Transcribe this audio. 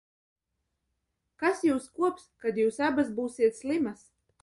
Kas jūs kops, kad jūs abas būsiet slimas.